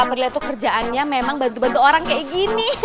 aprilia tuh kerjaannya memang bantu bantu orang kayak gini